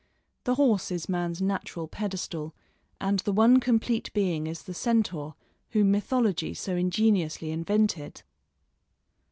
The horse is man's natural pedestal, and the one complete being is the centaur, whom mythology so ingeniously invented.